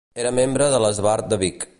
Era membre de l'Esbart de Vic.